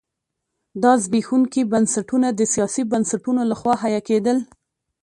دا زبېښونکي بنسټونه د سیاسي بنسټونو لخوا حیه کېدل.